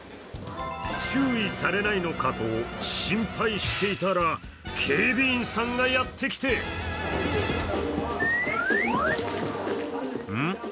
注意されないのかと心配していたら、警備員さんがやってきてうん？